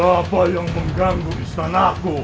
siapa yang mengganggu istanaku